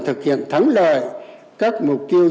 thực hiện thắng lợi các mục tiêu